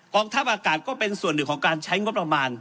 ทัพอากาศก็เป็นส่วนหนึ่งของการใช้งบประมาณ